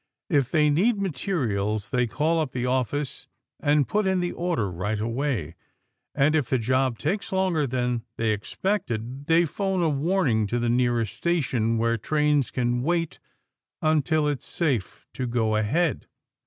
If they need materials, they call up the office and put in the order right away. And if the job takes longer than they expected, they phone a warning to the nearest station where trains can wait until it's safe to go ahead.